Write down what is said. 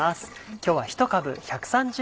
今日は。